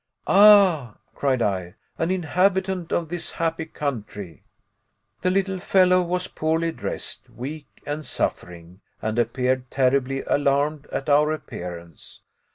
"Ah," cried I, "an inhabitant of this happy country." The little fellow was poorly dressed, weak, and suffering, and appeared terribly alarmed at our appearance.